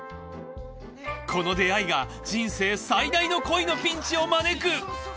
この出会いが人生最大の恋のピンチを招く。